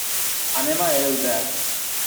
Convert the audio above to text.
Anem a Elda.